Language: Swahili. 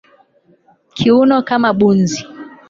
Kiuno kama bunzi